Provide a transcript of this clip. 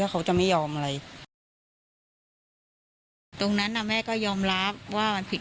เขาจะไม่ยอมอะไรตรงนั้นน่ะแม่ก็ยอมรับว่ามันผิด